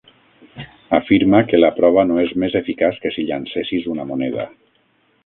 Afirma que la prova no és més eficaç que si llancessis una moneda.